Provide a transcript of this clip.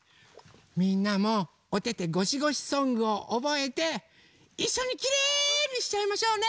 みんなもおててごしごしソングをおぼえていっしょにきれいにしちゃいましょうね！